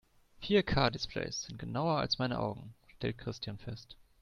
Vier-K-Displays sind genauer als meine Augen, stellt Christian fest.